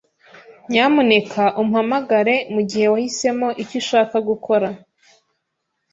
Nyamuneka umpamagare mugihe wahisemo icyo ushaka gukora.